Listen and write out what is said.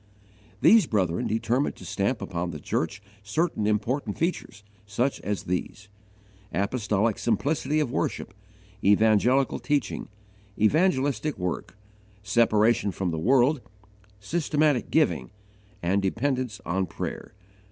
These brethren determined to stamp upon the church certain important features such as these: Apostolic simplicity of worship, evangelical teaching, evangelistic work, separation from the world, systematic giving, and dependence on prayer.